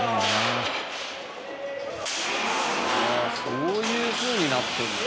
そういうふうになってんだ。